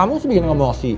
kamu sih bikin emosi